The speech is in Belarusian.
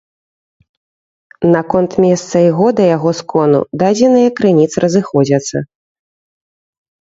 Наконт месца і года яго скону дадзеныя крыніц разыходзяцца.